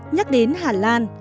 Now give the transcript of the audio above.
nhắc đến hà lan